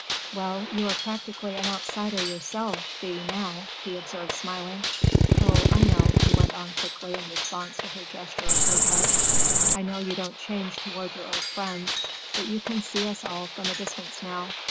"Well, you are practically an outsider yourself, Thea, now," he observed smiling. "Oh, I know," he went on quickly in response to her gesture of protest,—"I know you don't change toward your old friends, but you can see us all from a distance now.